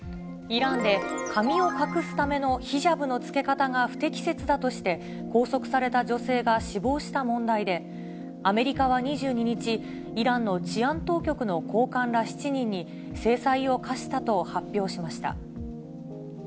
イランで髪を隠すためのヒジャブのつけ方が不適切だとして、拘束された女性が死亡した問題で、アメリカは２２日、イランの治安当局の高官ら７人に、制裁を科したと発表しました。